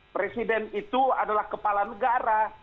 presiden itu adalah kepala negara